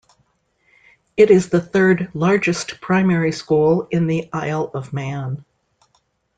It is the third largest primary school in the Isle of Man.